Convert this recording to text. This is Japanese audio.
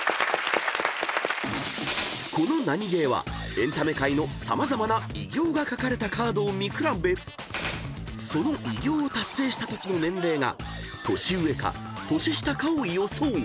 ［このナニゲーはエンタメ界の様々な偉業が書かれたカードを見比べその偉業を達成したときの年齢が年上か年下かを予想］